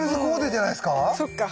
そっか。